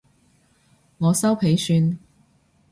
我修皮算